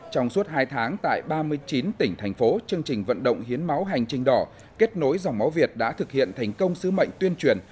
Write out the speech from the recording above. trong suốt hai tháng tại ba mươi chín tỉnh thành phố chương trình vận động hiến máu hành trình đỏ kết nối dòng máu việt đã thực hiện thành công sứ mệnh tuyên truyền